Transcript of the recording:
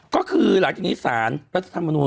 ก็คือหลังจากนี้สารรัฐธรรมนูล